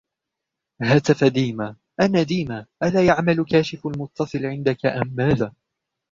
هتف ديما: " أنا ديما! ألا يعمل كاشف المتصل عندك أم ماذا ؟"